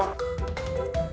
ya eh eh